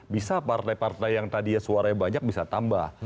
bisa partai partai yang tadi suaranya banyak bisa tambah